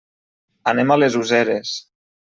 Anem a les Useres.